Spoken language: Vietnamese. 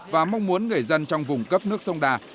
và mong muốn người dân trong vùng cấp nước sông đà